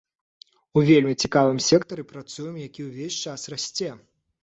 У вельмі цікавым сектары працуем, які ўвесь час расце.